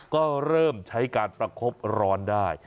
ก็เริ่มใช้การประคบร้อนได้